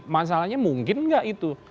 masalahnya mungkin enggak itu